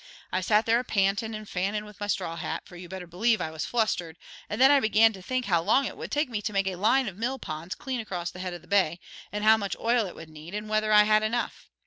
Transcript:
I sat there a pantin' and fannin' with my straw hat, for you'd better believe I was flustered, and then I began to think how long it would take me to make a line of mill ponds clean across the head of the bay, and how much oil it would need, and whether I had enough.